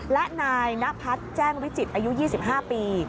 และนายนพัฒน์แจ้งวิจิตรอายุ๒๕ปี